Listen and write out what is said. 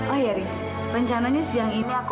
oh iya riz rencananya siang ini aku menjenguk kamila kamu ikut